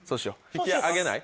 引き上げない。